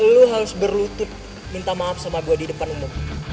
lu harus berlutut minta maaf sama gue di depan umum